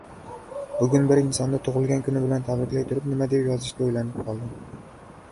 Bugun bir insonni tugʻilgan kuni bilan tabriklay turib nima deb yozishga oʻylanib qoldim.